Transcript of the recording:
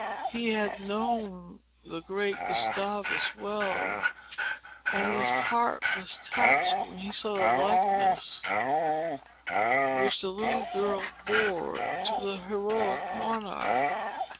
He had known the great Gustavus well; and his heart was touched, when he saw the likeness which the little girl bore to that heroic monarch.